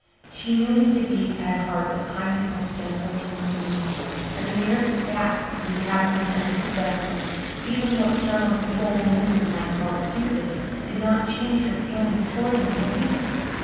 She knew him to be at heart the kindest, most gentle of human beings, and the mere fact of his having been unsuccessful, even what some of his old neighbours might call stupid, did not change her feelings toward him in the least.